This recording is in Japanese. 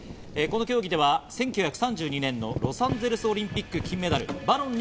この競技では１９３２年のロサンゼルスオリンピック金メダル、バロン西